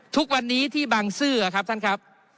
ทุกวันนี้ที่บางซื่อครับท่านครับ